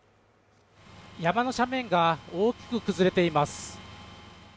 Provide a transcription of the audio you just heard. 山の斜面が大きく崩れています。